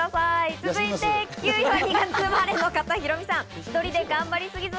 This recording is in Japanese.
続いて９位は２月生まれの方ヒロミさん。